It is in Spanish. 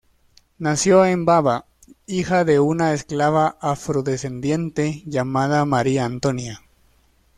Nació en Baba, hija de una esclava afrodescendiente llamada María Antonia.